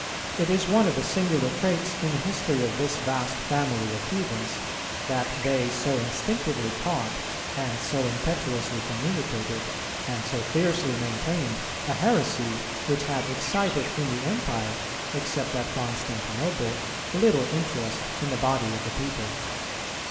It is one of the singular traits in the history of this vast family of heathens that they so instinctively caught, and so impetuously communicated, and so fiercely maintained, a heresy, which had excited in the Empire, except at Constantinople, little interest in the body of the people.